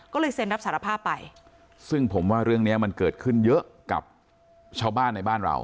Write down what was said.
ก็เลยเซ็นรับสารภาพไปซึ่งผมว่าเรื่องเนี้ยมันเกิดขึ้นเยอะกับชาวบ้านในบ้านเรา